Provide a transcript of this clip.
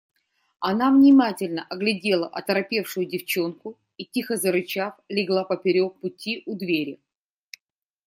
Она внимательно оглядела оторопевшую девчонку и, тихо зарычав, легла поперек пути у двери.